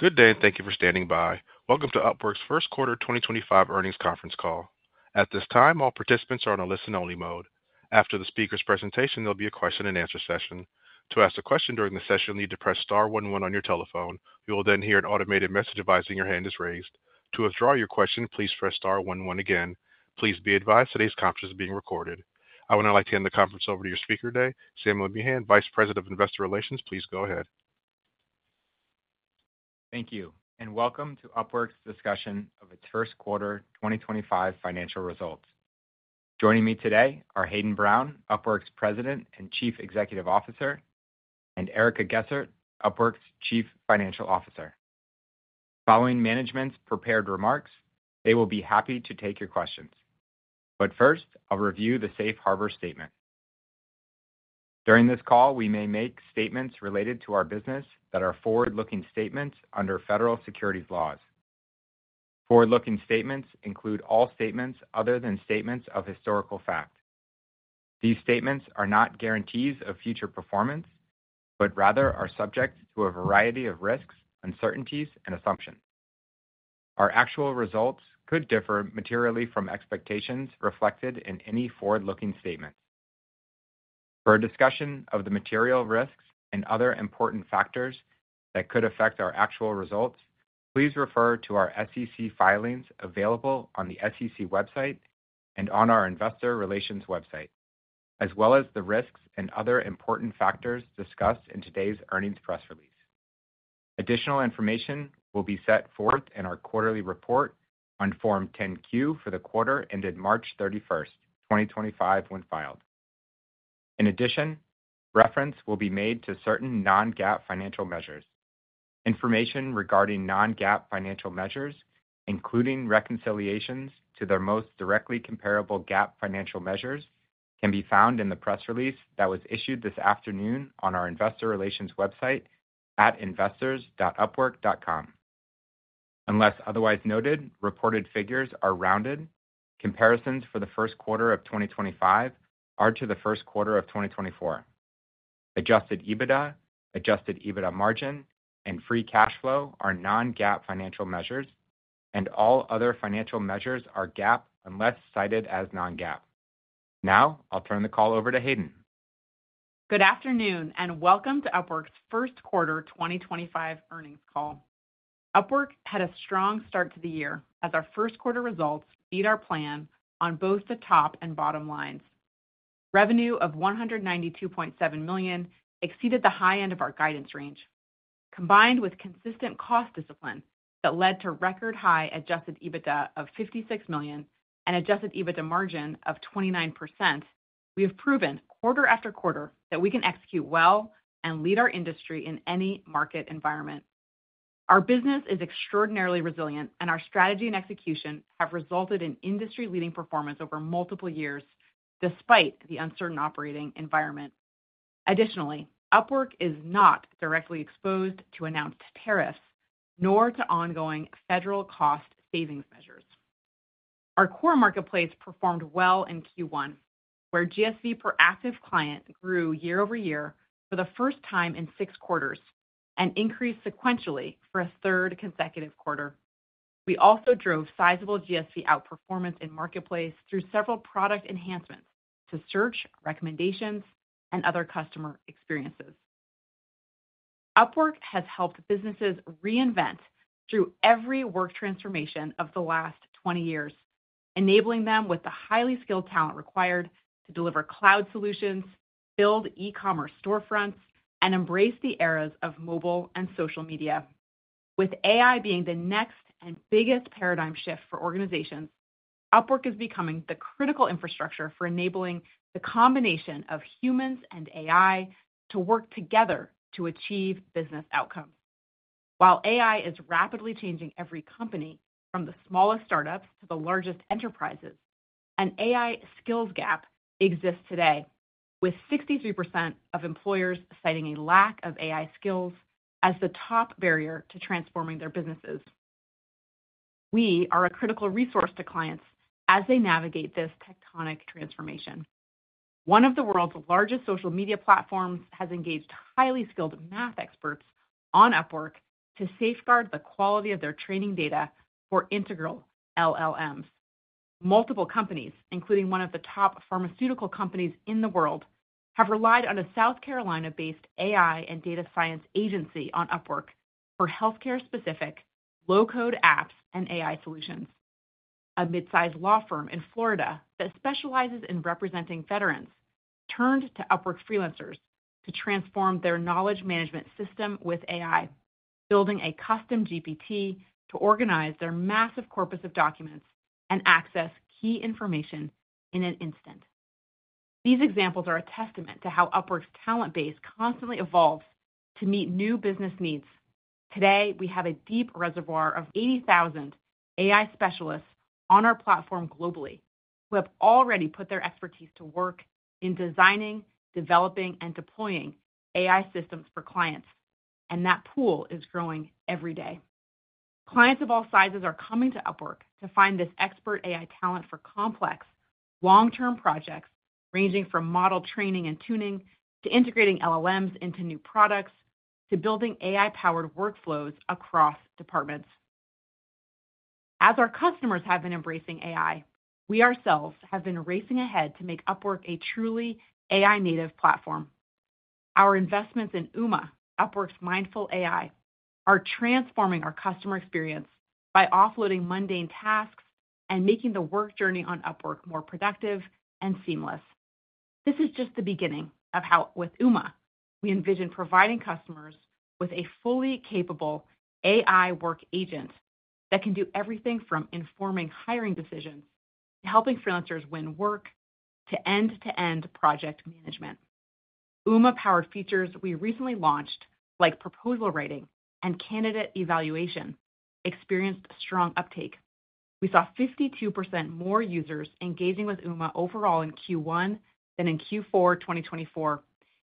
Good day, and thank you for standing by. Welcome to Upwork's first quarter 2025 earnings conference call. At this time, all participants are on a listen-only mode. After the speaker's presentation, there'll be a question-and-answer session. To ask a question during the session, you'll need to press star one one on your telephone. You will then hear an automated message advising your hand is raised. To withdraw your question, please press star one one again. Please be advised today's conference is being recorded. I would now like to hand the conference over to your speaker today, Samuel Meehan, Vice President of Investor Relations. Please go ahead. Thank you, and welcome to Upwork's discussion of its first quarter 2025 financial results. Joining me today are Hayden Brown, Upwork's President and Chief Executive Officer, and Erica Gessert, Upwork's Chief Financial Officer. Following management's prepared remarks, they will be happy to take your questions. First, I'll review the Safe Harbor Statement. During this call, we may make statements related to our business that are forward-looking statements under federal securities laws. Forward-looking statements include all statements other than statements of historical fact. These statements are not guarantees of future performance, but rather are subject to a variety of risks, uncertainties, and assumptions. Our actual results could differ materially from expectations reflected in any forward-looking statements. For a discussion of the material risks and other important factors that could affect our actual results, please refer to our SEC filings available on the SEC website and on our Investor Relations website, as well as the risks and other important factors discussed in today's earnings press release. Additional information will be set forth in our quarterly report on Form 10-Q for the quarter ended March 31, 2025, when filed. In addition, reference will be made to certain non-GAAP financial measures. Information regarding non-GAAP financial measures, including reconciliations to their most directly comparable GAAP financial measures, can be found in the press release that was issued this afternoon on our Investor Relations website at investors.upwork.com. Unless otherwise noted, reported figures are rounded. Comparisons for the first quarter of 2025 are to the first quarter of 2024. Adjusted EBITDA, adjusted EBITDA margin, and free cash flow are non-GAAP financial measures, and all other financial measures are GAAP unless cited as non-GAAP. Now, I'll turn the call over to Hayden. Good afternoon, and welcome to Upwork's first quarter 2025 earnings call. Upwork had a strong start to the year as our first quarter results beat our plan on both the top and bottom lines. Revenue of $192.7 million exceeded the high end of our guidance range. Combined with consistent cost discipline that led to record-high adjusted EBITDA of $56 million and adjusted EBITDA margin of 29%, we have proven quarter after quarter that we can execute well and lead our industry in any market environment. Our business is extraordinarily resilient, and our strategy and execution have resulted in industry-leading performance over multiple years, despite the uncertain operating environment. Additionally, Upwork is not directly exposed to announced tariffs, nor to ongoing federal cost savings measures. Our core marketplace performed well in Q1, where GSV per active client grew year-over-year for the first time in six quarters and increased sequentially for a third consecutive quarter. We also drove sizable GSV outperformance in marketplace through several product enhancements to search recommendations and other customer experiences. Upwork has helped businesses reinvent through every work transformation of the last 20 years, enabling them with the highly skilled talent required to deliver cloud solutions, build e-commerce storefronts, and embrace the eras of mobile and social media. With AI being the next and biggest paradigm shift for organizations, Upwork is becoming the critical infrastructure for enabling the combination of humans and AI to work together to achieve business outcomes. While AI is rapidly changing every company from the smallest startups to the largest enterprises, an AI skills gap exists today, with 63% of employers citing a lack of AI skills as the top barrier to transforming their businesses. We are a critical resource to clients as they navigate this tectonic transformation. One of the world's largest social media platforms has engaged highly skilled math experts on Upwork to safeguard the quality of their training data for integral LLMs. Multiple companies, including one of the top pharmaceutical companies in the world, have relied on a South Carolina-based AI and data science agency on Upwork for healthcare-specific low-code apps and AI solutions. A mid-sized law firm in Florida that specializes in representing veterans turned to Upwork freelancers to transform their knowledge management system with AI, building a custom GPT to organize their massive corpus of documents and access key information in an instant. These examples are a testament to how Upwork's talent base constantly evolves to meet new business needs. Today, we have a deep reservoir of 80,000 AI specialists on our platform globally who have already put their expertise to work in designing, developing, and deploying AI systems for clients, and that pool is growing every day. Clients of all sizes are coming to Upwork to find this expert AI talent for complex, long-term projects ranging from model training and tuning to integrating LLMs into new products to building AI-powered workflows across departments. As our customers have been embracing AI, we ourselves have been racing ahead to make Upwork a truly AI-native platform. Our investments in Uma, Upwork's Mindful AI, are transforming our customer experience by offloading mundane tasks and making the work journey on Upwork more productive and seamless. This is just the beginning of how, with Uma, we envision providing customers with a fully capable AI work agent that can do everything from informing hiring decisions to helping freelancers win work to end-to-end project management. Uma-powered features we recently launched, like proposal writing and candidate evaluation, experienced strong uptake. We saw 52% more users engaging with Uma overall in Q1 than in Q4 2024,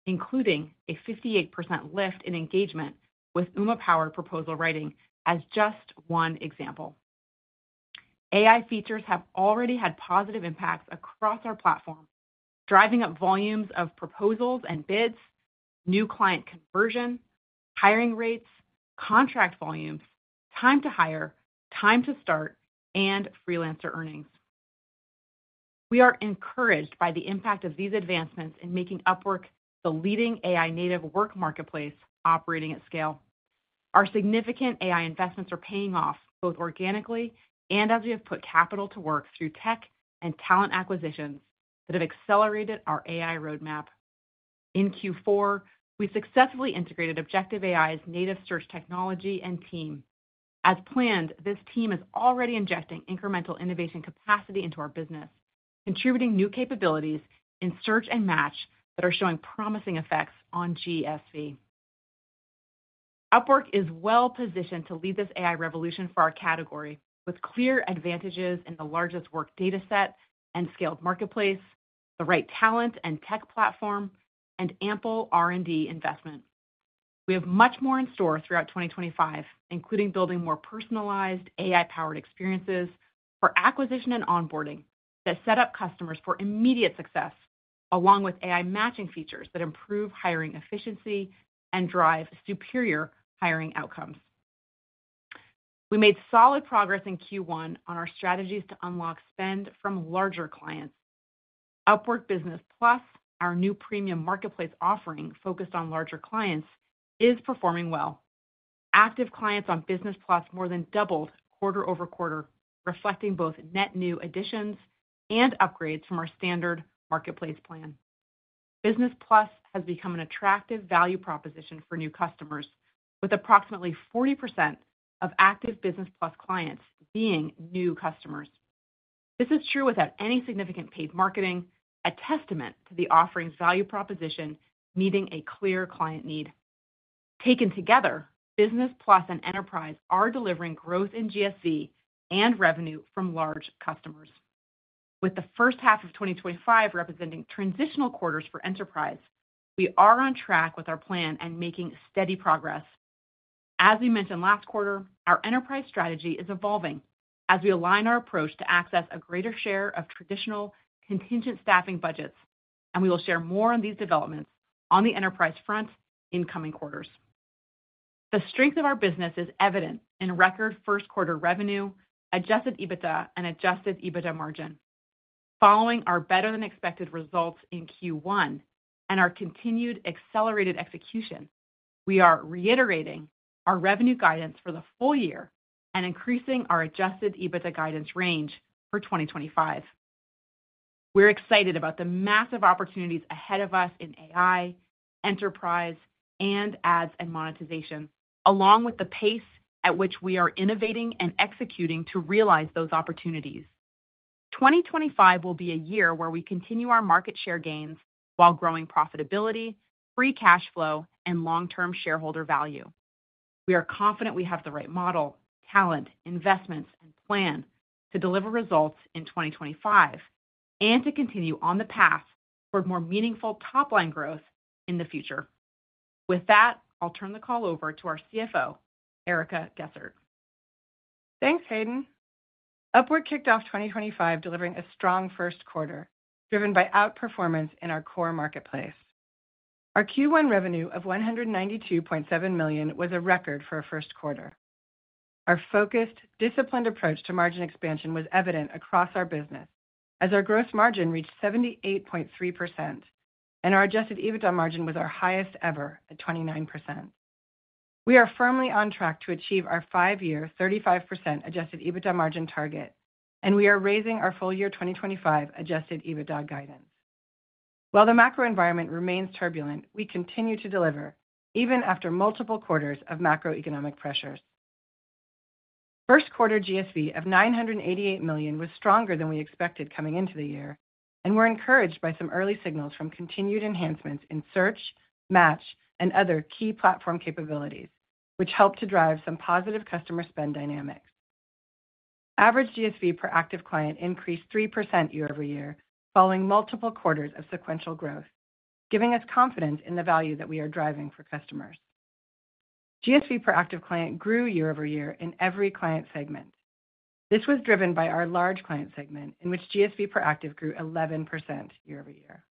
including a 58% lift in engagement with Uma-powered proposal writing as just one example. AI features have already had positive impacts across our platform, driving up volumes of proposals and bids, new client conversion, hiring rates, contract volumes, time to hire, time to start, and freelancer earnings. We are encouraged by the impact of these advancements in making Upwork the leading AI-native work marketplace operating at scale. Our significant AI investments are paying off both organically and as we have put capital to work through tech and talent acquisitions that have accelerated our AI roadmap. In Q4, we successfully integrated Objective AI's native search technology and team. As planned, this team is already injecting incremental innovation capacity into our business, contributing new capabilities in search and match that are showing promising effects on GSV. Upwork is well-positioned to lead this AI revolution for our category with clear advantages in the largest work dataset and scaled marketplace, the right talent and tech platform, and ample R&D investment. We have much more in store throughout 2025, including building more personalized AI-powered experiences for acquisition and onboarding that set up customers for immediate success, along with AI matching features that improve hiring efficiency and drive superior hiring outcomes. We made solid progress in Q1 on our strategies to unlock spend from larger clients. Upwork Business Plus, our new premium marketplace offering focused on larger clients, is performing well. Active clients on Business Plus more than doubled quarter-over-quarter, reflecting both net new additions and upgrades from our standard marketplace plan. Business Plus has become an attractive value proposition for new customers, with approximately 40% of active Business Plus clients being new customers. This is true without any significant paid marketing, a testament to the offering's value proposition meeting a clear client need. Taken together, Business Plus and Enterprise are delivering growth in GSV and revenue from large customers. With the first half of 2025 representing transitional quarters for Enterprise, we are on track with our plan and making steady progress. As we mentioned last quarter, our Enterprise strategy is evolving as we align our approach to access a greater share of traditional contingent staffing budgets, and we will share more on these developments on the Enterprise front in coming quarters. The strength of our business is evident in record first quarter revenue, adjusted EBITDA, and adjusted EBITDA margin. Following our better-than-expected results in Q1 and our continued accelerated execution, we are reiterating our revenue guidance for the full year and increasing our adjusted EBITDA guidance range for 2025. We're excited about the massive opportunities ahead of us in AI, Enterprise, and ads and monetization, along with the pace at which we are innovating and executing to realize those opportunities. 2025 will be a year where we continue our market share gains while growing profitability, free cash flow, and long-term shareholder value. We are confident we have the right model, talent, investments, and plan to deliver results in 2025 and to continue on the path toward more meaningful top-line growth in the future. With that, I'll turn the call over to our CFO, Erica Gessert. Thanks, Hayden. Upwork kicked off 2025 delivering a strong first quarter driven by outperformance in our core marketplace. Our Q1 revenue of $192.7 million was a record for a first quarter. Our focused, disciplined approach to margin expansion was evident across our business as our gross margin reached 78.3%, and our adjusted EBITDA margin was our highest ever at 29%. We are firmly on track to achieve our five-year 35% adjusted EBITDA margin target, and we are raising our full-year 2025 adjusted EBITDA guidance. While the macro environment remains turbulent, we continue to deliver even after multiple quarters of macroeconomic pressures. First quarter GSV of $988 million was stronger than we expected coming into the year, and we're encouraged by some early signals from continued enhancements in search, match, and other key platform capabilities, which helped to drive some positive customer spend dynamics. Average GSV per active client increased 3% year-over-year following multiple quarters of sequential growth, giving us confidence in the value that we are driving for customers. GSV per active client grew year-over-year in every client segment. This was driven by our large client segment, in which GSV per active grew 11% year-over-year.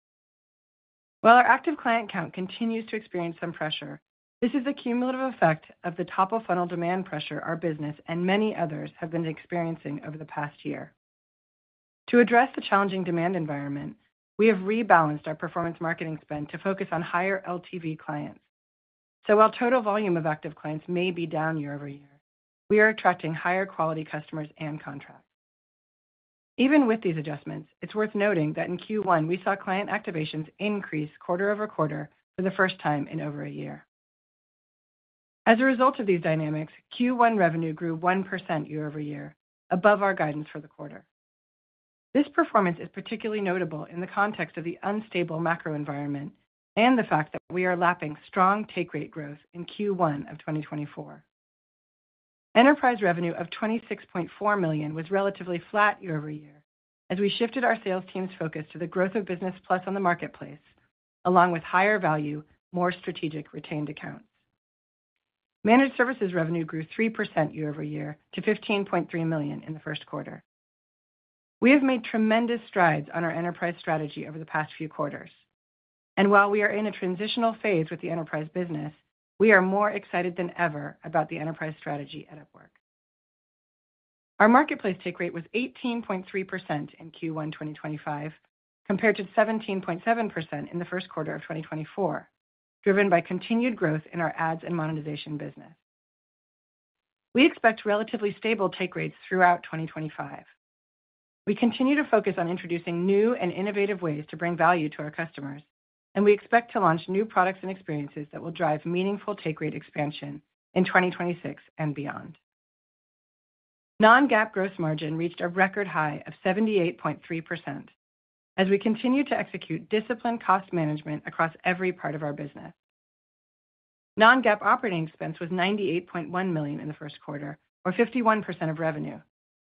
While our active client count continues to experience some pressure, this is the cumulative effect of the top-of-funnel demand pressure our business and many others have been experiencing over the past year. To address the challenging demand environment, we have rebalanced our performance marketing spend to focus on higher LTV clients. While total volume of active clients may be down year-over-year, we are attracting higher quality customers and contracts. Even with these adjustments, it's worth noting that in Q1, we saw client activations increase quarter-over-quarter for the first time in over a year. As a result of these dynamics, Q1 revenue grew 1% year-over-year, above our guidance for the quarter. This performance is particularly notable in the context of the unstable macro environment and the fact that we are lapping strong take-rate growth in Q1 of 2024. Enterprise revenue of $26.4 million was relatively flat year-over-year as we shifted our sales team's focus to the growth of Business Plus on the marketplace, along with higher value, more strategic retained accounts. Managed services revenue grew 3% year-over-year to $15.3 million in the first quarter. We have made tremendous strides on our enterprise strategy over the past few quarters. While we are in a transitional phase with the enterprise business, we are more excited than ever about the enterprise strategy at Upwork. Our marketplace take rate was 18.3% in Q1 2025, compared to 17.7% in the first quarter of 2024, driven by continued growth in our ads and monetization business. We expect relatively stable take rates throughout 2025. We continue to focus on introducing new and innovative ways to bring value to our customers, and we expect to launch new products and experiences that will drive meaningful take rate expansion in 2026 and beyond. Non-GAAP gross margin reached a record high of 78.3% as we continue to execute disciplined cost management across every part of our business. Non-GAAP operating expense was $98.1 million in the first quarter, or 51% of revenue,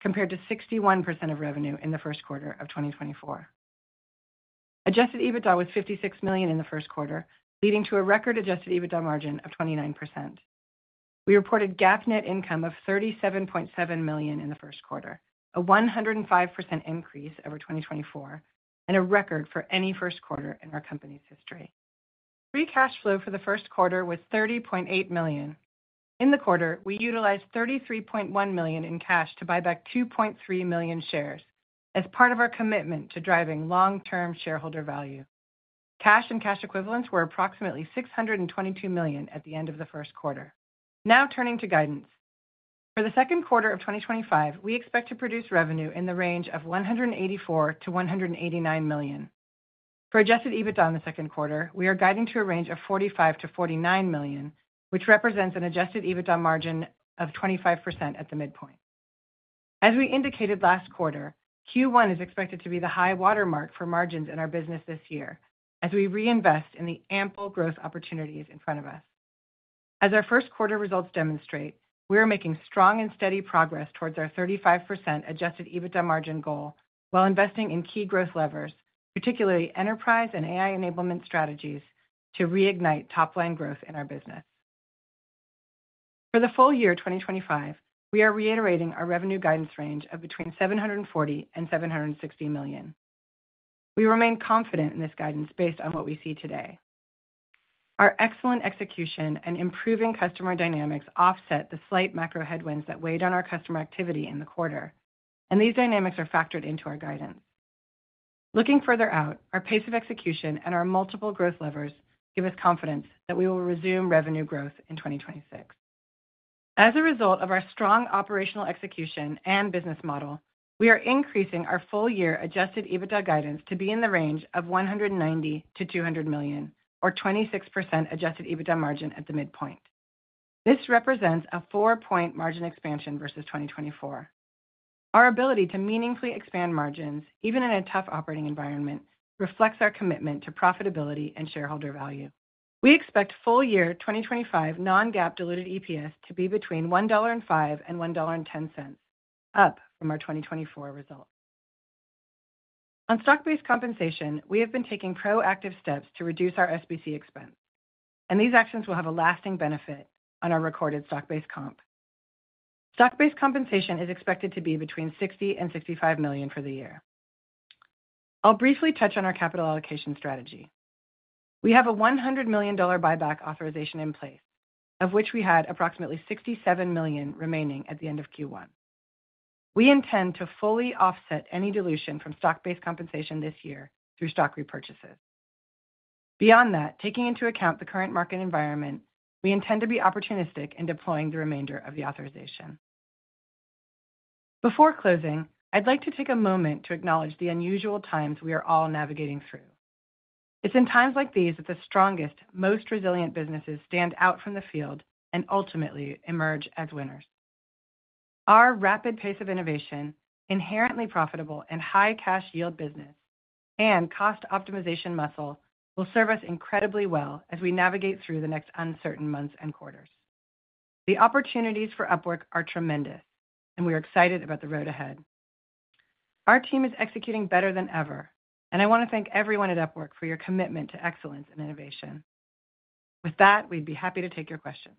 compared to 61% of revenue in the first quarter of 2024. Adjusted EBITDA was $56 million in the first quarter, leading to a record adjusted EBITDA margin of 29%. We reported GAAP net income of $37.7 million in the first quarter, a 105% increase over 2024, and a record for any first quarter in our company's history. Free cash flow for the first quarter was $30.8 million. In the quarter, we utilized $33.1 million in cash to buy back 2.3 million shares as part of our commitment to driving long-term shareholder value. Cash and cash equivalents were approximately $622 million at the end of the first quarter. Now turning to guidance. For the second quarter of 2025, we expect to produce revenue in the range of $184 million-$189 million. For adjusted EBITDA in the second quarter, we are guiding to a range of $45 million-$49 million, which represents an adjusted EBITDA margin of 25% at the midpoint. As we indicated last quarter, Q1 is expected to be the high watermark for margins in our business this year as we reinvest in the ample growth opportunities in front of us. As our first quarter results demonstrate, we are making strong and steady progress towards our 35% adjusted EBITDA margin goal while investing in key growth levers, particularly Enterprise and AI enablement strategies to reignite top-line growth in our business. For the full year 2025, we are reiterating our revenue guidance range of between $740 million and $760 million. We remain confident in this guidance based on what we see today. Our excellent execution and improving customer dynamics offset the slight macro headwinds that weighed on our customer activity in the quarter, and these dynamics are factored into our guidance. Looking further out, our pace of execution and our multiple growth levers give us confidence that we will resume revenue growth in 2026. As a result of our strong operational execution and business model, we are increasing our full-year adjusted EBITDA guidance to be in the range of $190 million-$200 million, or 26% adjusted EBITDA margin at the midpoint. This represents a four-point margin expansion versus 2024. Our ability to meaningfully expand margins, even in a tough operating environment, reflects our commitment to profitability and shareholder value. We expect full-year 2025 non-GAAP diluted EPS to be between $1.05 and $1.10, up from our 2024 results. On stock-based compensation, we have been taking proactive steps to reduce our SBC expense, and these actions will have a lasting benefit on our recorded stock-based comp. Stock-based compensation is expected to be between $60 million-$65 million for the year. I'll briefly touch on our capital allocation strategy. We have a $100 million buyback authorization in place, of which we had approximately $67 million remaining at the end of Q1. We intend to fully offset any dilution from stock-based compensation this year through stock repurchases. Beyond that, taking into account the current market environment, we intend to be opportunistic in deploying the remainder of the authorization. Before closing, I'd like to take a moment to acknowledge the unusual times we are all navigating through. It's in times like these that the strongest, most resilient businesses stand out from the field and ultimately emerge as winners. Our rapid pace of innovation, inherently profitable and high cash yield business, and cost optimization muscle will serve us incredibly well as we navigate through the next uncertain months and quarters. The opportunities for Upwork are tremendous, and we are excited about the road ahead. Our team is executing better than ever, and I want to thank everyone at Upwork for your commitment to excellence and innovation. With that, we'd be happy to take your questions.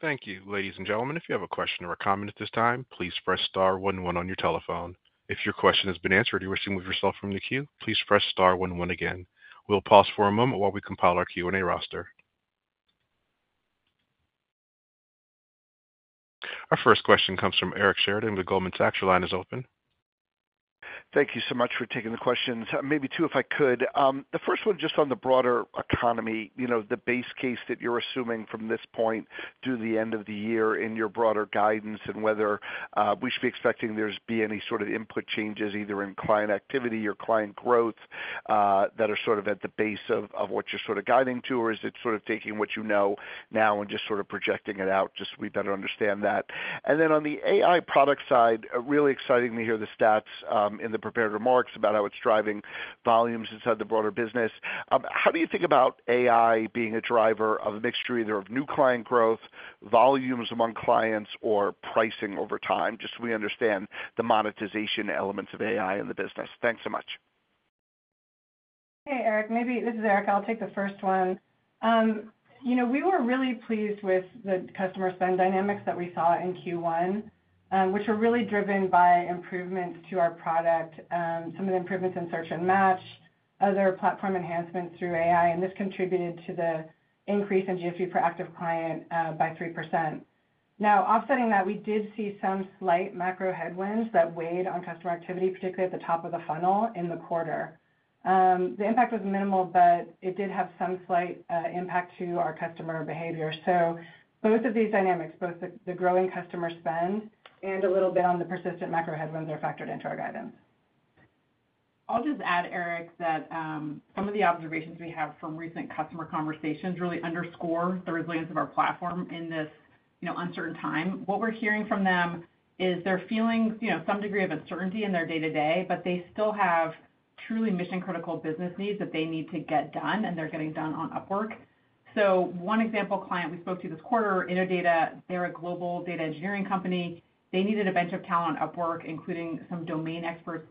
Thank you, ladies and gentlemen. If you have a question or a comment at this time, please press star one one on your telephone. If your question has been answered or you wish to move yourself from the queue, please press star one one again. We'll pause for a moment while we compile our Q&A roster. Our first question comes from Eric Sheridan with Goldman Sachs. Your line is open. Thank you so much for taking the questions. Maybe two, if I could. The first one just on the broader economy, you know, the base case that you're assuming from this point to the end of the year in your broader guidance and whether we should be expecting there to be any sort of input changes either in client activity or client growth that are sort of at the base of what you're sort of guiding to, or is it sort of taking what you know now and just sort of projecting it out just so we better understand that? Then on the AI product side, really exciting to hear the stats in the prepared remarks about how it's driving volumes inside the broader business. How do you think about AI being a driver of a mixture either of new client growth, volumes among clients, or pricing over time, just so we understand the monetization elements of AI in the business? Thanks so much. Hey, Eric. Maybe this is Erica. I'll take the first one. You know, we were really pleased with the customer spend dynamics that we saw in Q1, which were really driven by improvements to our product, some of the improvements in search and match, other platform enhancements through AI, and this contributed to the increase in GSV per active client by 3%. Now, offsetting that, we did see some slight macro headwinds that weighed on customer activity, particularly at the top of the funnel in the quarter. The impact was minimal, but it did have some slight impact to our customer behavior. Both of these dynamics, both the growing customer spend and a little bit on the persistent macro headwinds, are factored into our guidance. I'll just add, Eric, that some of the observations we have from recent customer conversations really underscore the resilience of our platform in this, you know, uncertain time. What we're hearing from them is they're feeling, you know, some degree of uncertainty in their day-to-day, but they still have truly mission-critical business needs that they need to get done, and they're getting done on Upwork. One example client we spoke to this quarter, Innodata, they're a global data engineering company. They needed a bunch of talent on Upwork, including some domain experts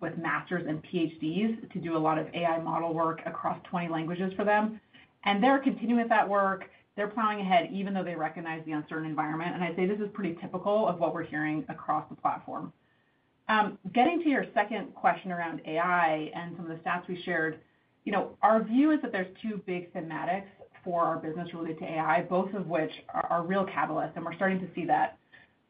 with master's and PhDs to do a lot of AI model work across 20 languages for them. They're continuing with that work. They're plowing ahead even though they recognize the uncertain environment. I'd say this is pretty typical of what we're hearing across the platform. Getting to your second question around AI and some of the stats we shared, you know, our view is that there's two big thematics for our business related to AI, both of which are real catalysts, and we're starting to see that.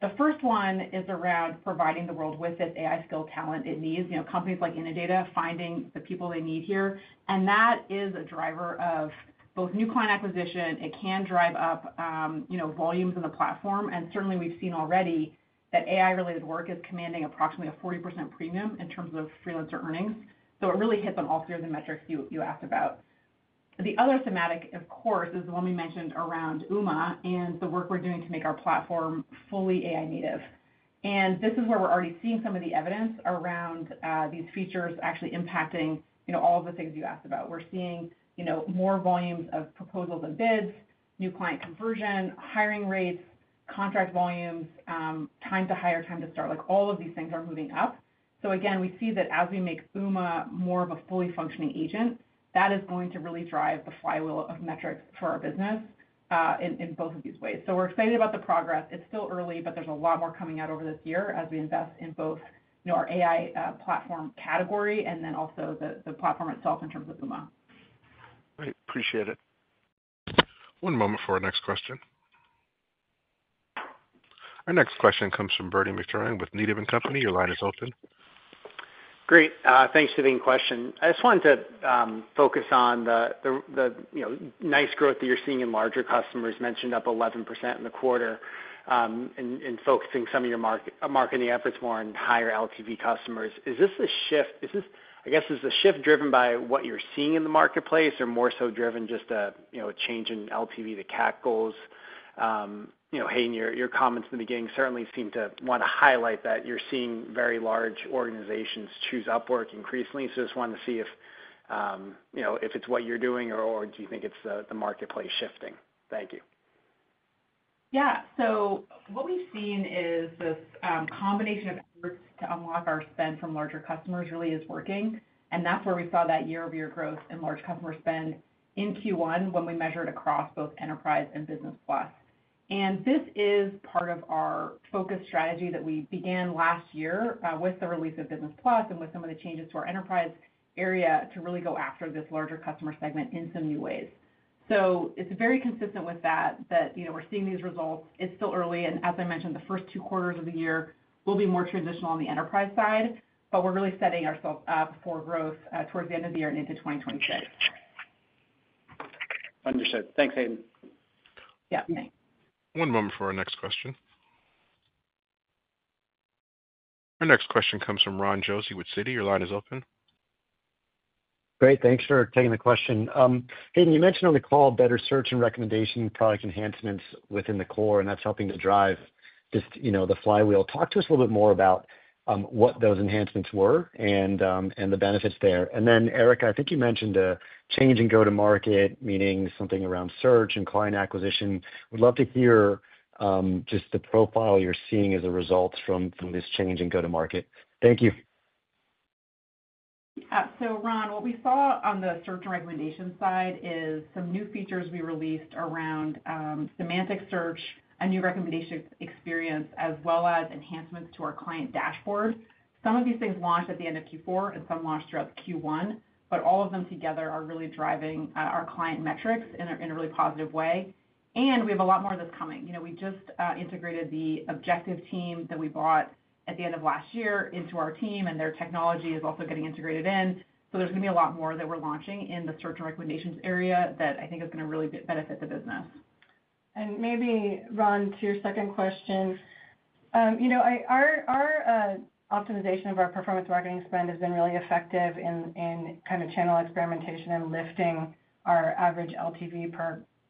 The first one is around providing the world with this AI skill talent it needs, you know, companies like Innodata finding the people they need here. That is a driver of both new client acquisition. It can drive up, you know, volumes in the platform. Certainly, we've seen already that AI-related work is commanding approximately a 40% premium in terms of freelancer earnings. It really hits on all three of the metrics you asked about. The other thematic, of course, is the one we mentioned around Uma and the work we're doing to make our platform fully AI-native. This is where we're already seeing some of the evidence around these features actually impacting, you know, all of the things you asked about. We're seeing, you know, more volumes of proposals and bids, new client conversion, hiring rates, contract volumes, time to hire, time to start, like all of these things are moving up. Again, we see that as we make Uma more of a fully functioning agent, that is going to really drive the flywheel of metrics for our business in both of these ways. We're excited about the progress. It's still early, but there's a lot more coming out over this year as we invest in both, you know, our AI platform category and then also the platform itself in terms of Uma. Great. Appreciate it. One moment for our next question. Our next question comes from Bernie McTernan with Needham & Company. Your line is open. Great. Thanks for the question. I just wanted to focus on the, you know, nice growth that you're seeing in larger customers mentioned up 11% in the quarter in focusing some of your marketing efforts more on higher LTV customers. Is this a shift? Is this, I guess, is the shift driven by what you're seeing in the marketplace or more so driven just a, you know, change in LTV to CAC goals? You know, Hayden, your comments in the beginning certainly seem to want to highlight that you're seeing very large organizations choose Upwork increasingly. I just wanted to see if, you know, if it's what you're doing or do you think it's the marketplace shifting? Thank you. Yeah. What we've seen is this combination of efforts to unlock our spend from larger customers really is working. That's where we saw that year-over-year growth in large customer spend in Q1 when we measured across both Enterprise and Business Plus. This is part of our focus strategy that we began last year with the release of Business Plus and with some of the changes to our Enterprise area to really go after this larger customer segment in some new ways. It's very consistent with that, you know, we're seeing these results. It's still early. As I mentioned, the first two quarters of the year will be more transitional on the Enterprise side, but we're really setting ourselves up for growth towards the end of the year and into 2026. Understood. Thanks, Hayden. Yeah. Thanks. One moment for our next question. Our next question comes from Ron Josey with Citi. Your line is open. Great. Thanks for taking the question. Hayden, you mentioned on the call better search and recommendation product enhancements within the core, and that's helping to drive just, you know, the flywheel. Talk to us a little bit more about what those enhancements were and the benefits there. Eric, I think you mentioned a change in go-to-market, meaning something around search and client acquisition. We'd love to hear just the profile you're seeing as a result from this change in go-to-market. Thank you. Yeah. Ron, what we saw on the search and recommendation side is some new features we released around semantic search, a new recommendation experience, as well as enhancements to our client dashboard. Some of these things launched at the end of Q4, and some launched throughout Q1, but all of them together are really driving our client metrics in a really positive way. We have a lot more of this coming. You know, we just integrated the Objective AI team that we bought at the end of last year into our team, and their technology is also getting integrated in. There is going to be a lot more that we are launching in the search and recommendations area that I think is going to really benefit the business. Maybe, Ron, to your second question, our optimization of our performance marketing spend has been really effective in kind of channel experimentation and lifting our average LTV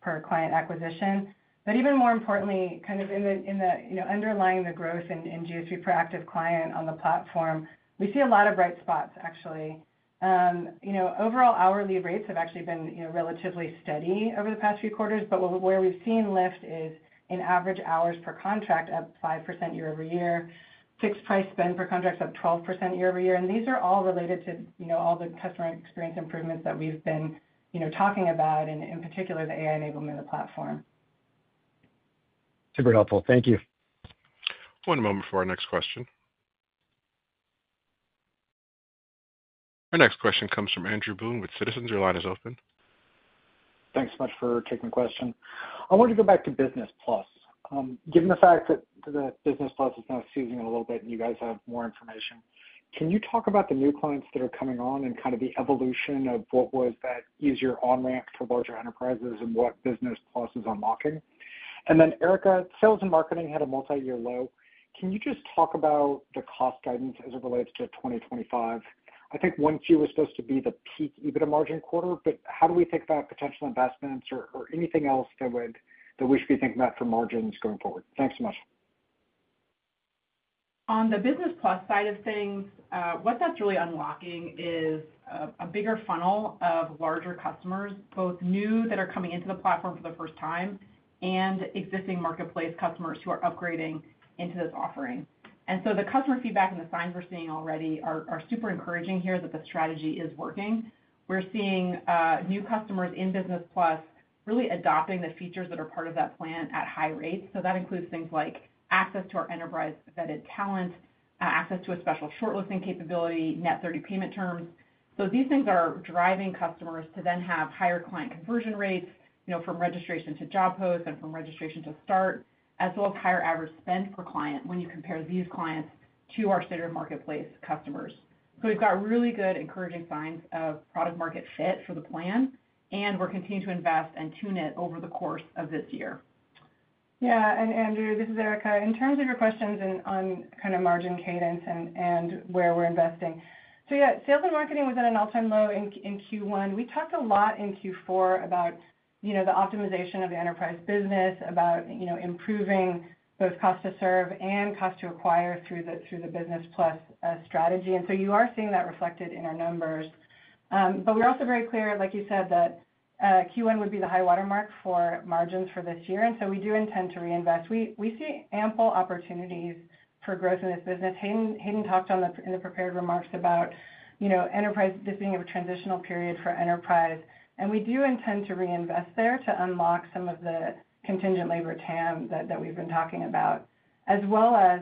per client acquisition. Even more importantly, kind of underlying the growth in GSV per active client on the platform, we see a lot of bright spots, actually. Overall hourly rates have actually been relatively steady over the past few quarters, but where we've seen lift is in average hours per contract up 5% year-over-year, fixed price spend per contract up 12% year-over-year. These are all related to all the customer experience improvements that we've been talking about, and in particular, the AI enablement of the platform. Super helpful. Thank you. One moment for our next question. Our next question comes from Andrew Boone with Citizens. Your line is open. Thanks so much for taking the question. I wanted to go back to Business Plus. Given the fact that the Business Plus is kind of seizing in a little bit and you guys have more information, can you talk about the new clients that are coming on and kind of the evolution of what was that easier on-ramp for larger enterprises and what Business Plus is unlocking? Erica, sales and marketing had a multi-year low. Can you just talk about the cost guidance as it relates to 2025? I think 1Q was supposed to be the peak EBITDA margin quarter, but how do we think about potential investments or anything else that we should be thinking about for margins going forward? Thanks so much. On the Business Plus side of things, what that's really unlocking is a bigger funnel of larger customers, both new that are coming into the platform for the first time and existing marketplace customers who are upgrading into this offering. The customer feedback and the signs we're seeing already are super encouraging here that the strategy is working. We're seeing new customers in Business Plus really adopting the features that are part of that plan at high rates. That includes things like access to our enterprise-vetted talent, access to a special shortlisting capability, net 30 payment terms. These things are driving customers to then have higher client conversion rates, you know, from registration to job posts and from registration to start, as well as higher average spend per client when you compare these clients to our standard marketplace customers. We've got really good encouraging signs of product-market fit for the plan, and we're continuing to invest and tune it over the course of this year. Yeah. Andrew, this is Erica. In terms of your questions on kind of margin cadence and where we're investing, yeah, sales and marketing was at an all-time low in Q1. We talked a lot in Q4 about, you know, the optimization of the enterprise business, about, you know, improving both cost to serve and cost to acquire through the Business Plus strategy. You are seeing that reflected in our numbers. We are also very clear, like you said, that Q1 would be the high watermark for margins for this year. We do intend to reinvest. We see ample opportunities for growth in this business. Hayden talked in the prepared remarks about, you know, enterprise, this being a transitional period for enterprise. We do intend to reinvest there to unlock some of the contingent labor TAM that we've been talking about, as well as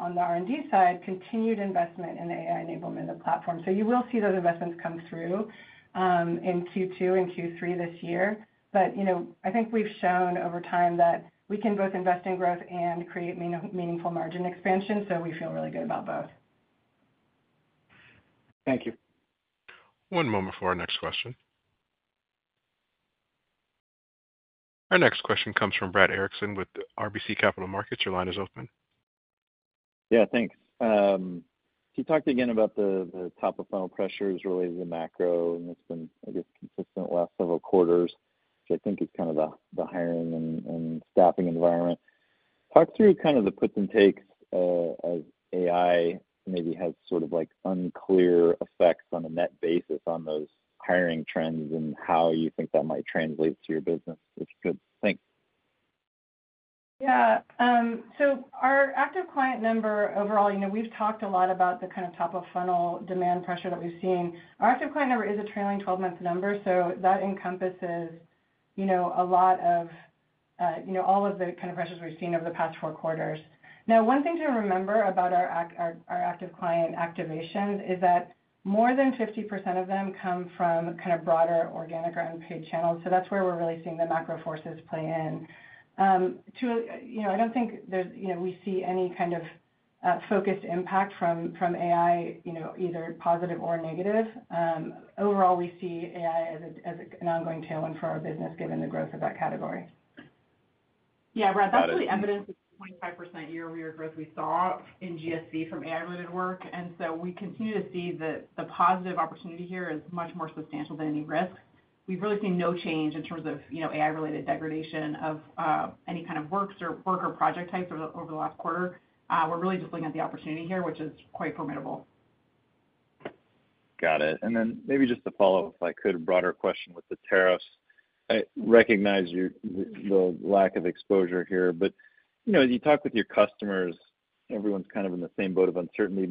on the R&D side, continued investment in the AI enablement of the platform. You will see those investments come through in Q2 and Q3 this year. You know, I think we've shown over time that we can both invest in growth and create meaningful margin expansion. We feel really good about both. Thank you. One moment for our next question. Our next question comes from Brad Erickson with RBC Capital Markets. Your line is open. Yeah. Thanks. You talked again about the top of funnel pressures related to the macro, and it's been, I guess, consistent the last several quarters, which I think is kind of the hiring and staffing environment. Talk through kind of the puts and takes as AI maybe has sort of like unclear effects on a net basis on those hiring trends and how you think that might translate to your business, if you could. Thanks. Yeah. Our active client number overall, you know, we've talked a lot about the kind of top of funnel demand pressure that we've seen. Our active client number is a trailing 12-month number. That encompasses, you know, a lot of, you know, all of the kind of pressures we've seen over the past four quarters. One thing to remember about our active client activations is that more than 50% of them come from kind of broader organic or unpaid channels. That's where we're really seeing the macro forces play in. You know, I don't think there's, you know, we see any kind of focused impact from AI, you know, either positive or negative. Overall, we see AI as an ongoing tailwind for our business given the growth of that category. Yeah. Brad, that's really evidence of the 25% year-over-year growth we saw in GSV from AI-related work. We continue to see that the positive opportunity here is much more substantial than any risk. We've really seen no change in terms of, you know, AI-related degradation of any kind of work or project types over the last quarter. We're really just looking at the opportunity here, which is quite formidable. Got it. Maybe just to follow up, if I could, a broader question with the tariffs. I recognize the lack of exposure here, but, you know, as you talk with your customers, everyone's kind of in the same boat of uncertainty.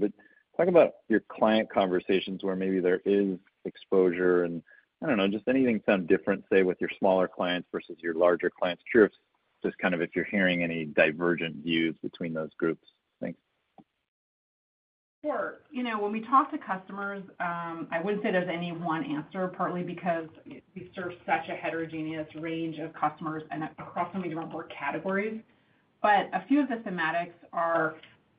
Talk about your client conversations where maybe there is exposure and, I don't know, just anything sound different, say, with your smaller clients versus your larger clients. Curious just kind of if you're hearing any divergent views between those groups. Thanks. Sure. You know, when we talk to customers, I wouldn't say there's any one answer, partly because we serve such a heterogeneous range of customers across so many different work categories. But a few of the thematics are,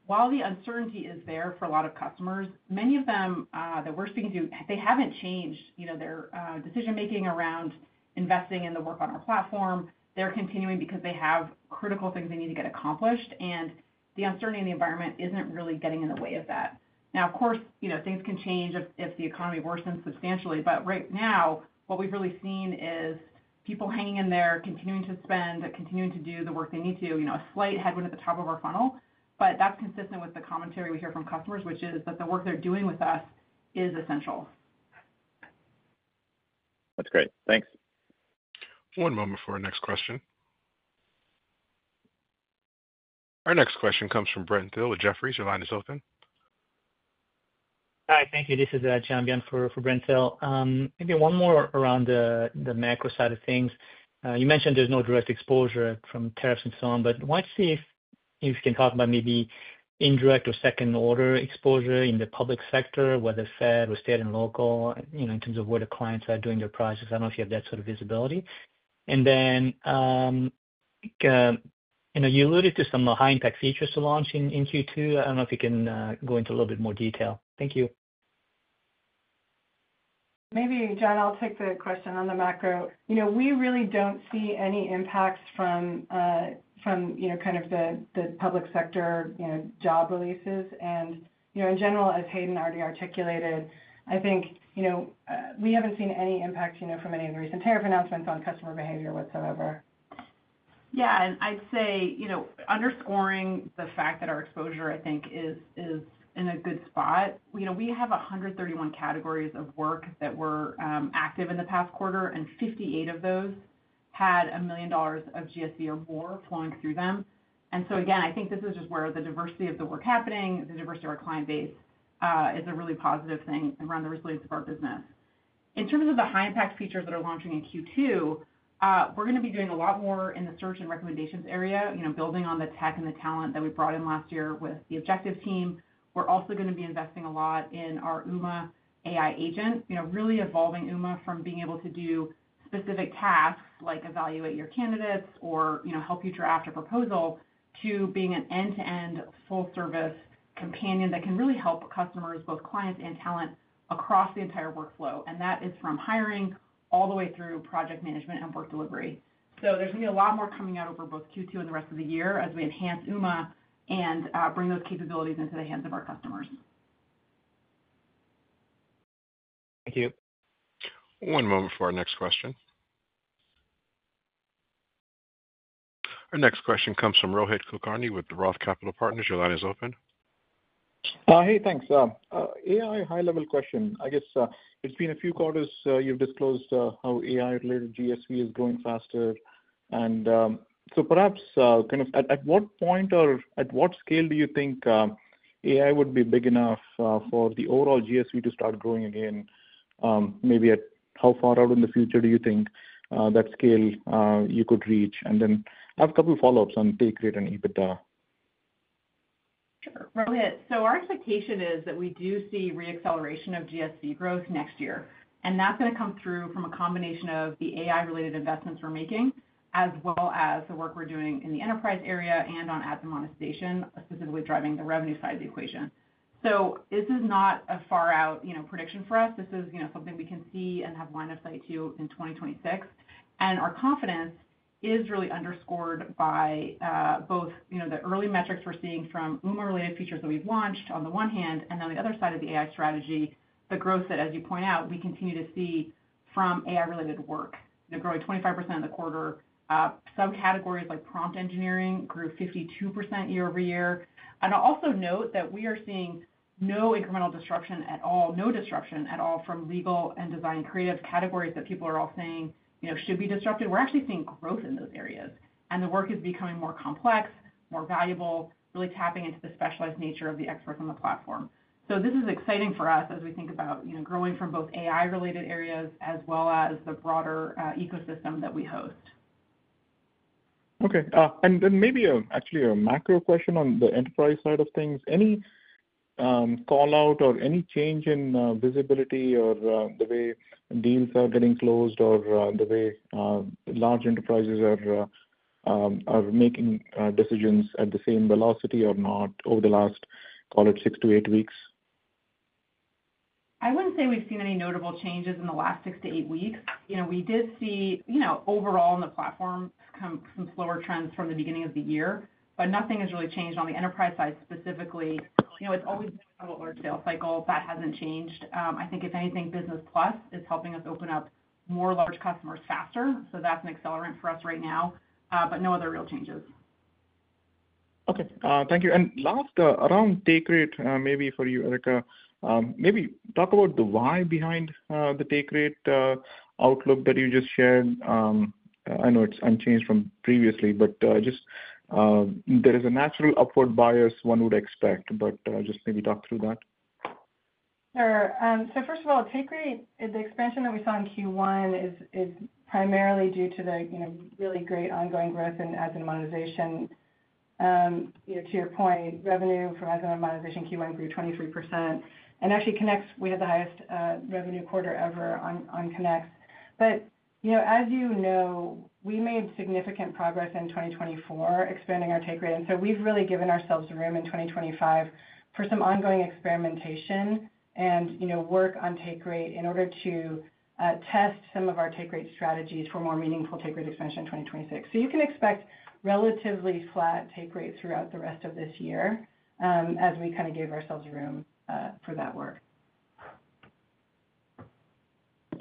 while the uncertainty is there for a lot of customers, many of them that we're speaking to, they haven't changed, you know, their decision-making around investing in the work on our platform. They're continuing because they have critical things they need to get accomplished. And the uncertainty in the environment isn't really getting in the way of that. Now, of course, you know, things can change if the economy worsens substantially. Right now, what we've really seen is people hanging in there, continuing to spend, continuing to do the work they need to, you know, a slight headwind at the top of our funnel. That's consistent with the commentary we hear from customers, which is that the work they're doing with us is essential. That's great. Thanks. One moment for our next question. Our next question comes from Brent Thill at Jefferies. Your line is open. Hi. Thank you. This is John for Brent Thill. Maybe one more around the macro side of things. You mentioned there's no direct exposure from tariffs and so on, but I wanted to see if you can talk about maybe indirect or second-order exposure in the public sector, whether Fed or state and local, you know, in terms of where the clients are doing their projects. I don't know if you have that sort of visibility. You alluded to some high-impact features to launch in Q2. I don't know if you can go into a little bit more detail. Thank you. Maybe, John, I'll take the question on the macro. You know, we really don't see any impacts from, you know, kind of the public sector, you know, job releases. You know, in general, as Hayden already articulated, I think, you know, we haven't seen any impact, you know, from any of the recent tariff announcements on customer behavior whatsoever. Yeah. I'd say, you know, underscoring the fact that our exposure, I think, is in a good spot. You know, we have 131 categories of work that were active in the past quarter, and 58 of those had a million dollars of GSV or more flowing through them. I think this is just where the diversity of the work happening, the diversity of our client base is a really positive thing around the resilience of our business. In terms of the high-impact features that are launching in Q2, we're going to be doing a lot more in the search and recommendations area, you know, building on the tech and the talent that we brought in last year with the Objective AI team. We're also going to be investing a lot in our Uma AI agent, you know, really evolving Uma from being able to do specific tasks like evaluate your candidates or, you know, help you draft a proposal to being an end-to-end full-service companion that can really help customers, both clients and talent, across the entire workflow. That is from hiring all the way through project management and work delivery. There is going to be a lot more coming out over both Q2 and the rest of the year as we enhance Uma and bring those capabilities into the hands of our customers. Thank you. One moment for our next question. Our next question comes from Rohit Kulkarni with Roth Capital Partners. Your line is open. Hey, thanks. AI high-level question. I guess it's been a few quarters you've disclosed how AI-related GSV is growing faster. Perhaps at what point or at what scale do you think AI would be big enough for the overall GSV to start growing again? Maybe at how far out in the future do you think that scale you could reach? I have a couple of follow-ups on take rate and EBITDA. Sure. Rohit, our expectation is that we do see re-acceleration of GSV growth next year. That is going to come through from a combination of the AI-related investments we are making, as well as the work we are doing in the enterprise area and on ads and monetization, specifically driving the revenue side of the equation. This is not a far-out, you know, prediction for us. This is, you know, something we can see and have line of sight to in 2026. Our confidence is really underscored by both, you know, the early metrics we are seeing from UMA-related features that we have launched on the one hand, and on the other side of the AI strategy, the growth that, as you point out, we continue to see from AI-related work, you know, growing 25% in the quarter. Subcategories like prompt engineering grew 52% year-over-year. I'll also note that we are seeing no incremental disruption at all, no disruption at all from legal and design creative categories that people are all saying, you know, should be disrupted. We're actually seeing growth in those areas. And the work is becoming more complex, more valuable, really tapping into the specialized nature of the experts on the platform. So, this is exciting for us as we think about, you know, growing from both AI-related areas as well as the broader ecosystem that we host. Okay. Maybe actually a macro question on the enterprise side of things. Any callout or any change in visibility or the way deals are getting closed or the way large enterprises are making decisions at the same velocity or not over the last, call it, six to eight weeks? I wouldn't say we've seen any notable changes in the last six to eight weeks. You know, we did see, you know, overall on the platform, some slower trends from the beginning of the year, but nothing has really changed on the Enterprise side specifically. You know, it's always been a slow sales cycle. That hasn't changed. I think if anything, Business Plus is helping us open up more large customers faster. That is an accelerant for us right now, but no other real changes. Okay. Thank you. Last, around pay grade, maybe for you, Erica, maybe talk about the why behind the pay grade outlook that you just shared. I know it's unchanged from previously, but just there is a natural upward bias, one would expect, but just maybe talk through that. Sure. First of all, pay grade, the expansion that we saw in Q1 is primarily due to the, you know, really great ongoing growth in ads and monetization. You know, to your point, revenue from ads and monetization Q1 grew 23%. Actually, Connects, we had the highest revenue quarter ever on Connects. You know, as you know, we made significant progress in 2024 expanding our pay grade. We have really given ourselves room in 2025 for some ongoing experimentation and, you know, work on pay grade in order to test some of our pay grade strategies for more meaningful pay grade expansion in 2026. You can expect relatively flat pay grade throughout the rest of this year as we kind of gave ourselves room for that work.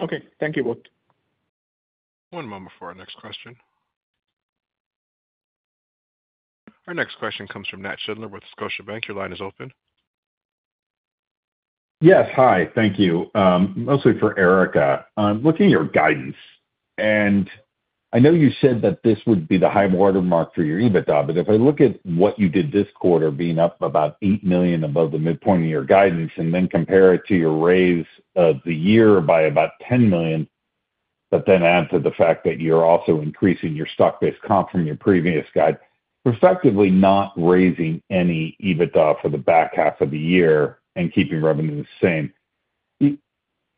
Okay. Thank you both. One moment for our next question. Our next question comes from Nat Schindler with Scotiabank. Your line is open. Yes. Hi. Thank you. Mostly for Erica. I'm looking at your guidance. I know you said that this would be the high watermark for your EBITDA, but if I look at what you did this quarter, being up about $8 million above the midpoint of your guidance, and then compare it to your raise of the year by about $10 million, but then add to the fact that you're also increasing your stock-based comp from your previous guide, effectively not raising any EBITDA for the back half of the year and keeping revenue the same.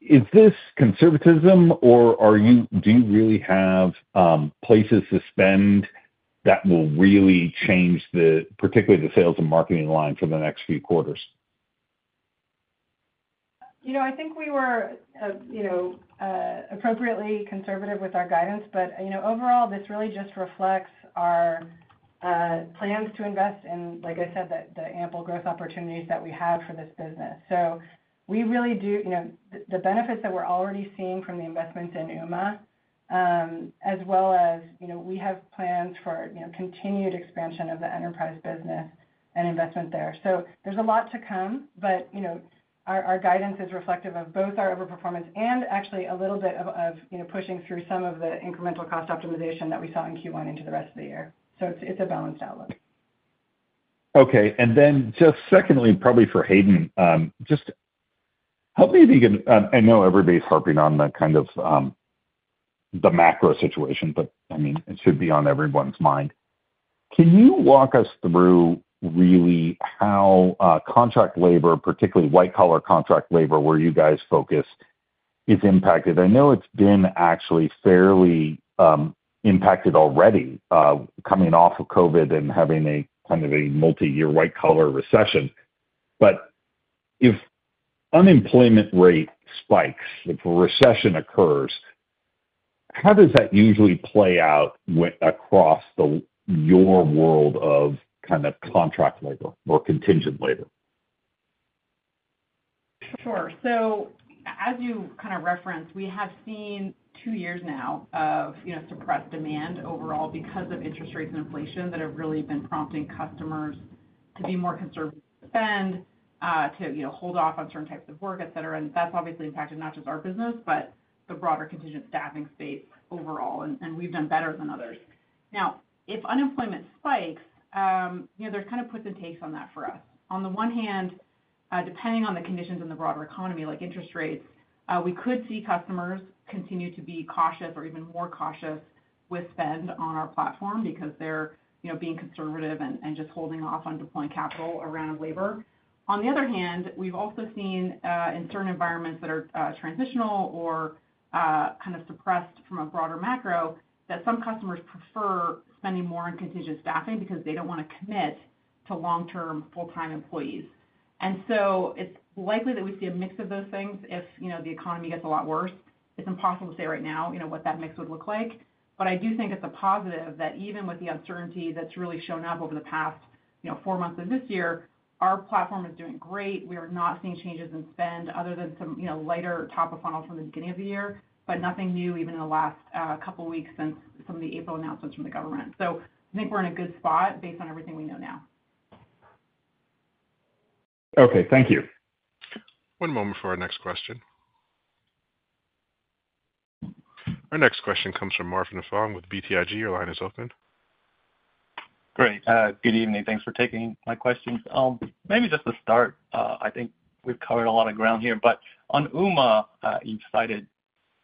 Is this conservatism, or do you really have places to spend that will really change particularly the sales and marketing line for the next few quarters? You know, I think we were, you know, appropriately conservative with our guidance, but, you know, overall, this really just reflects our plans to invest in, like I said, the ample growth opportunities that we have for this business. So, we really do, you know, the benefits that we're already seeing from the investments in Uma, as well as, you know, we have plans for, you know, continued expansion of the Enterprise business and investment there. So, there's a lot to come, but, you know, our guidance is reflective of both our overperformance and actually a little bit of, you know, pushing through some of the incremental cost optimization that we saw in Q1 into the rest of the year. So, it's a balanced outlook. Okay. Then just secondly, probably for Hayden, just help me think. I know everybody's harping on the kind of the macro situation, but I mean, it should be on everyone's mind. Can you walk us through really how contract labor, particularly white-collar contract labor where you guys focus, is impacted? I know it's been actually fairly impacted already coming off of COVID and having a kind of a multi-year white-collar recession. If unemployment rate spikes, if a recession occurs, how does that usually play out across your world of kind of contract labor or contingent labor? Sure. As you kind of referenced, we have seen two years now of, you know, suppressed demand overall because of interest rates and inflation that have really been prompting customers to be more conservative with spend, to, you know, hold off on certain types of work, etc. That has obviously impacted not just our business, but the broader contingent staffing space overall. We have done better than others. Now, if unemployment spikes, you know, there are kind of puts and takes on that for us. On the one hand, depending on the conditions in the broader economy, like interest rates, we could see customers continue to be cautious or even more cautious with spend on our platform because they are, you know, being conservative and just holding off on deploying capital around labor. On the other hand, we've also seen in certain environments that are transitional or kind of suppressed from a broader macro that some customers prefer spending more on contingent staffing because they don't want to commit to long-term full-time employees. It is likely that we see a mix of those things if, you know, the economy gets a lot worse. It's impossible to say right now, you know, what that mix would look like. I do think it's a positive that even with the uncertainty that's really shown up over the past, you know, four months of this year, our platform is doing great. We are not seeing changes in spend other than some, you know, lighter top of funnel from the beginning of the year, but nothing new even in the last couple of weeks since some of the April announcements from the government. I think we're in a good spot based on everything we know now. Okay. Thank you. One moment for our next question. Our next question comes from Marvin Fong with BTIG. Your line is open. Great. Good evening. Thanks for taking my questions. Maybe just to start, I think we've covered a lot of ground here, but on Uma, you've cited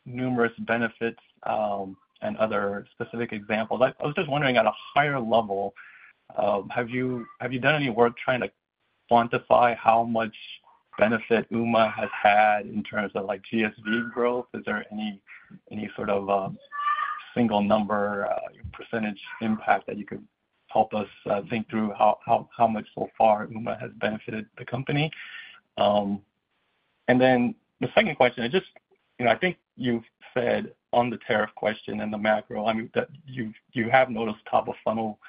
numerous benefits and other specific examples. I was just wondering at a higher level, have you done any work trying to quantify how much benefit Uma has had in terms of like GSV growth? Is there any sort of single number, percentage impact that you could help us think through how much so far Uma has benefited the company? The second question, I just, you know, I think you've said on the tariff question and the macro, I mean, that you have noticed top of funnel,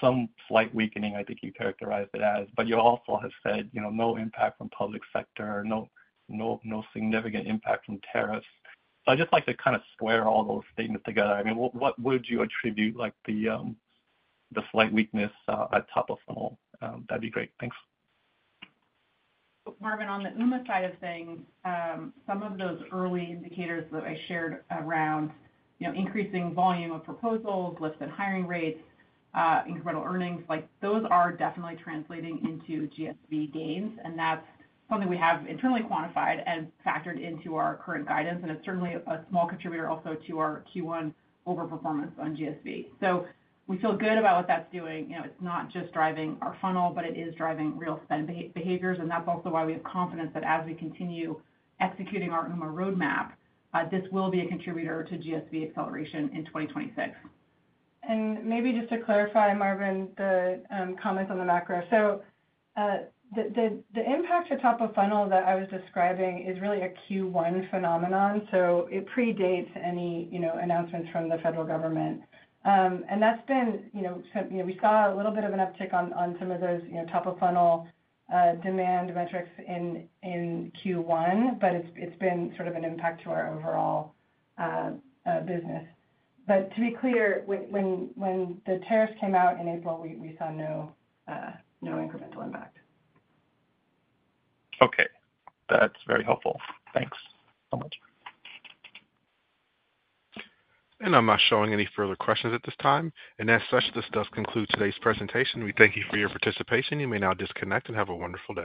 some slight weakening, I think you characterized it as, but you also have said, you know, no impact from public sector, no significant impact from tariffs. I'd just like to kind of square all those statements together. I mean, what would you attribute like the slight weakness at top of funnel? That'd be great. Thanks. Marvin, on the Uma side of things, some of those early indicators that I shared around, you know, increasing volume of proposals, lifted hiring rates, incremental earnings, like those are definitely translating into GSV gains. That is something we have internally quantified and factored into our current guidance. It is certainly a small contributor also to our Q1 overperformance on GSV. We feel good about what that is doing. You know, it is not just driving our funnel, but it is driving real spend behaviors. That is also why we have confidence that as we continue executing our Uma roadmap, this will be a contributor to GSV acceleration in 2026. Maybe just to clarify, Marvin, the comments on the macro. The impact to top of funnel that I was describing is really a Q1 phenomenon. It predates any, you know, announcements from the federal government. That's been, you know, we saw a little bit of an uptick on some of those, you know, top of funnel demand metrics in Q1, but it's been sort of an impact to our overall business. To be clear, when the tariffs came out in April, we saw no incremental impact. Okay. That's very helpful. Thanks so much. I'm not showing any further questions at this time. As such, this does conclude today's presentation. We thank you for your participation. You may now disconnect and have a wonderful day.